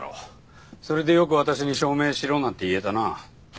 それでよく私に証明しろなんて言えたな。